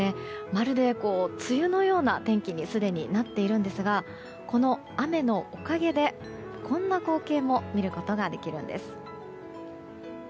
まるで梅雨のような天気にすでになっているんですがこの雨のおかげで、こんな光景も見ることができるんです。